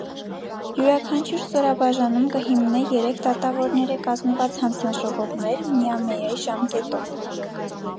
Իւրաքանչիւր ստորաբաժանում կը հիմնէ երեք դատաւորներէ կազմուած յանձնաժողովներ՝ միամեայ ժամկէտով։